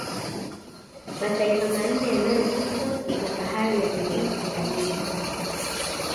Mataifa manne yanayoguswa na bahari ya Mediterania